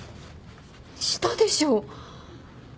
したでしょ！